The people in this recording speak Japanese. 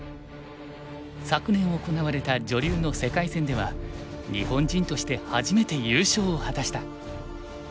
昨年行われた女流の世界戦では日本人として初めて優勝を果たした。